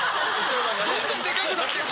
どんどんデカくなっていく。